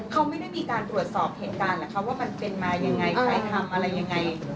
เขาไม่ได้มีการตรวจสอบเหตุการณ์เหรอคะว่ามันเป็นมายังไงใครทำอะไรยังไง